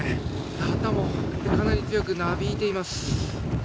旗もかなり強くなびいています。